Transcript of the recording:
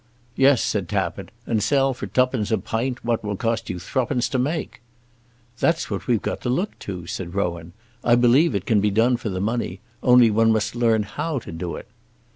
"Yes," said Tappitt, "and sell for twopence a pint what will cost you threepence to make!" "That's what we've got to look to," said Rowan. "I believe it can be done for the money, only one must learn how to do it."